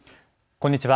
こんにちは。